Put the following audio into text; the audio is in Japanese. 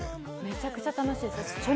めちゃくちゃ楽しいです。